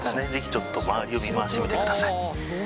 ちょっと周りを見回してみてください。